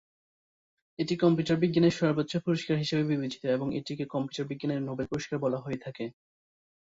এটি কম্পিউটার বিজ্ঞানের সর্বোচ্চ পুরস্কার হিসেবে বিবেচিত এবং এটিকে কম্পিউটার বিজ্ঞানের নোবেল পুরস্কার বলা হয়ে থাকে।